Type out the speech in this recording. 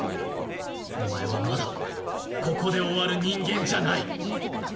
お前はまだここで終わる人間じゃない！